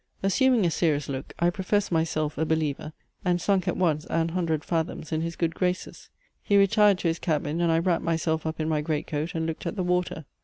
Assuming a serious look, I professed myself a believer, and sunk at once an hundred fathoms in his good graces. He retired to his cabin, and I wrapped myself up in my great coat, and looked at the water.